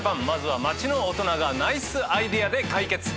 まずは町の大人がナイスアイデアで解決。